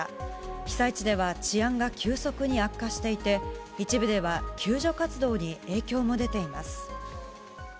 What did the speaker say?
被災地では治安が急速に悪化していて、一部では救助活動に影響も出ています。